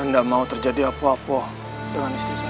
tidak mau terjadi apa apa dengan istri saya